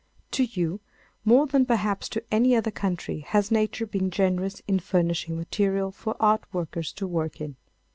To you, more than perhaps to any other country, has Nature been generous in furnishing material for art workers to work in.